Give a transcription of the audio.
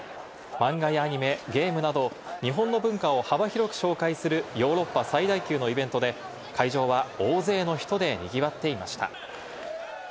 漫画やアニメ、ゲームなど、日本の文化を幅広く紹介するヨーロッパ最大級のイベントで、会場は大勢の人で賑わっていました。